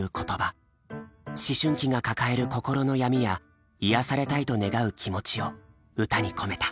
思春期が抱える心の闇や癒やされたいと願う気持ちを歌に込めた。